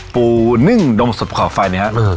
ปูนึ่งนมสดขาวไฟนะครับ